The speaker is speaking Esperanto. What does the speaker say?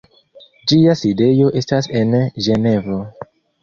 Ĝia sidejo estas en Ĝenevo.